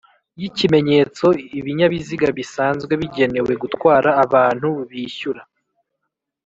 Y ikimenyetso ibinyabiziga bisanzwe bigenewe gutwara abantu bishyura